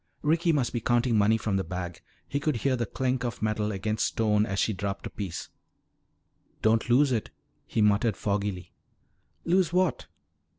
Ricky must be counting money from the bag. He could hear the clink of metal against stone as she dropped a piece. "Don't lose it," he muttered foggily. "Lose what?"